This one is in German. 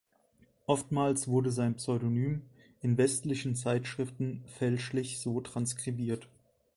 Oftmals wurde sein Pseudonym in westlichen Zeitschriften fälschlich so transkribiert.